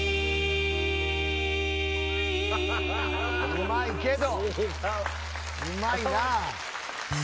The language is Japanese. うまいけど。